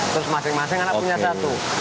terus masing masing anak punya satu